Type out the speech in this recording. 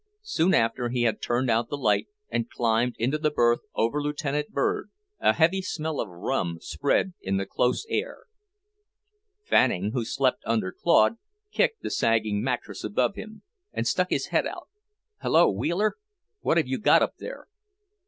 Soon after he had turned out the light and climbed into the berth over Lieutenant Bird, a heavy smell of rum spread in the close air. Fanning, who slept under Claude, kicked the sagging mattress above him and stuck his head out. "Hullo, Wheeler! What have you got up there?"